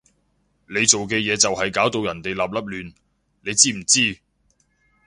你做嘅嘢就係搞到人哋立立亂，你知唔知？